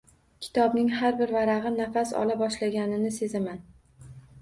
Kitobning har bir varag‘i nafas ola boshlaganini sezaman.